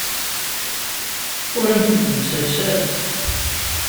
Ur am-t-id-nettales ara.